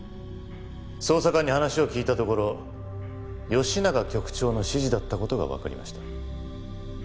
捜査官に話を聞いたところ吉永局長の指示だった事がわかりました。